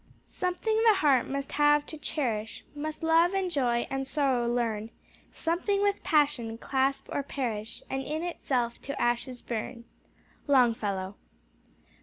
"Something the heart must have to cherish, Must love and joy, and sorrow learn; Something with passion clasp or perish, And in itself to ashes burn." _Longfellow.